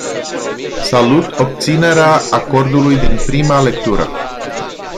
Salut obținerea acordului din prima lectură.